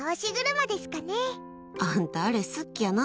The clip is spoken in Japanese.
あんた、あれ好きやな。